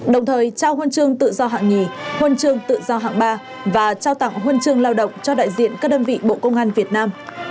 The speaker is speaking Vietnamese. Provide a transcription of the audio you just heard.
đồng thời trao huân chương tự do hạng nhì huân chương tự do hạng ba và trao tặng huân chương lao động cho đại diện các đơn vị bộ công an việt nam